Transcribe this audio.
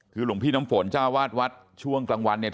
คือหลวงพี่น้ำฝนเจ้าวาดวัดช่วงกลางวันเนี่ย